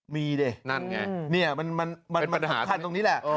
มีดินั่นไงเนี่ยมันมันมันมันหันตรงนี้แหละอ่า